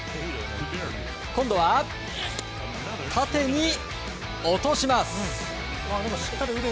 今度は、縦に落とします。